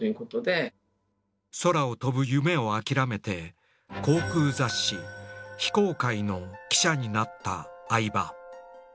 空を飛ぶ夢を諦めて航空雑誌「飛行界」の記者になった相羽。